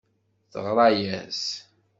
Teɣṛa-yas.